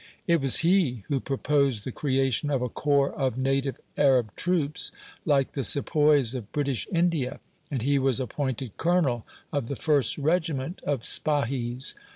It was he who proposed the creation of a corps of native Arab troops, like the Sepoys of British India; and he was appointed colonel of the first regiment of Spahis.